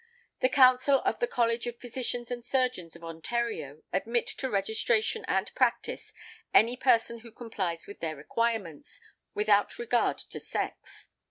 The Council of the College of Physicians and Surgeons of Ontario admit to registration and practice any person who complies with their requirements, without regard to sex.